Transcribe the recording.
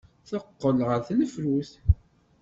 Teqqel ɣer tnefrut.